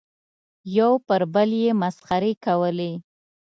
یو پر بل یې مسخرې کولې.